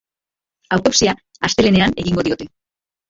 Autopsia astelehenean egingo diote.